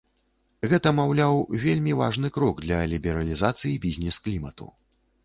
Гэта, маўляў, вельмі важны крок для лібералізацыі бізнес-клімату.